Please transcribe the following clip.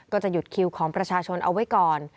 ก็จะหยุดคิวของประชาชนเอาไว้ก่อน